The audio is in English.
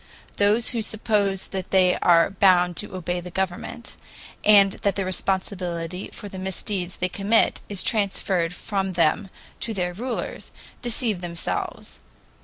Those who suppose that they are bound to obey the government, and that the responsibility for the misdeeds they commit is transferred from them to their rulers, deceive themselves.